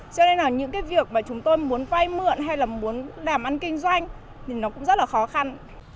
cho nên là những cái việc mà chúng tôi muốn vay mượn hay là muốn đàm ăn kinh doanh thì nó cũng rất là khó khăn